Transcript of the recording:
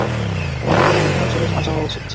আমাদেরও বোধহয় চলে যাওয়া উচিত।